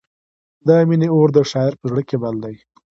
د مینې اور د شاعر په زړه کې بل دی.